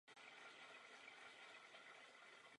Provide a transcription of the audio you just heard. Vážné estetické vady až úhyn bylin nebo dřevin.